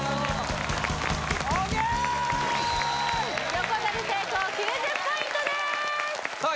横取り成功９０ポイントですさあ